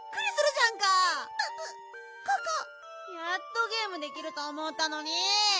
やっとゲームできるとおもったのに。